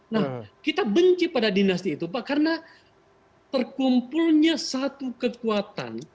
nah kita benci pada dinasti itu pak karena terkumpulnya satu kekuatan